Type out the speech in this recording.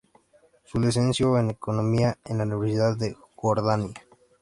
Se licenció en economía en la Universidad de Jordania.